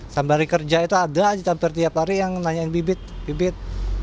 sambil hari kerja itu ada aja hampir tiap hari yang nanyain bibit